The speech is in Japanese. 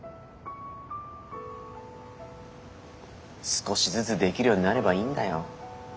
少しずつできるようになればいいんだよ。